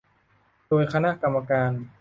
โดยคณะกรรมการ